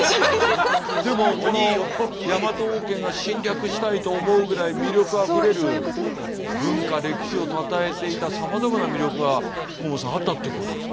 でもこのヤマト王権が侵略したいと思うぐらい魅力あふれる文化歴史をたたえていたさまざまな魅力が甲本さんあったってことです。